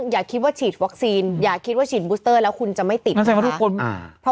อย่าคิดว่าฉีดวัคซีนอย่าคิดว่าฉีดบูสเตอร์แล้วคุณจะไม่ติด